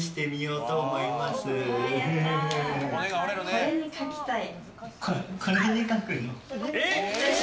これに書きたい。